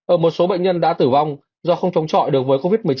ở một số bệnh nhân đã tử vong do không chống chọi được với covid một mươi chín